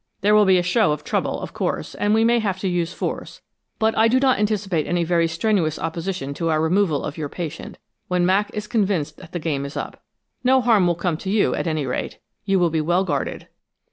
There will be a show of trouble, of course, and we may have to use force, but I do not anticipate any very strenuous opposition to our removal of your patient, when Mac is convinced that the game is up. No harm will come to you, at any rate; you will be well guarded."